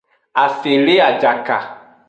Ase le ajaka.